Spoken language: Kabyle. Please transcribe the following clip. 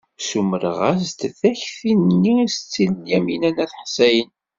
Ssumren-as-d takti-nni i Setti Lyamina n At Ḥsayen.